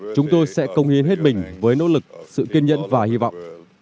chúng tôi sẽ công hiến hết mình với nỗ lực sự kiên nhẫn và hy vọng